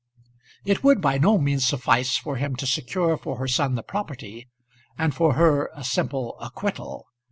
It would by no means suffice for him to secure for her son the property, and for her a simple acquittal.